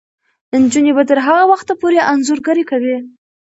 نجونې به تر هغه وخته پورې انځورګري کوي.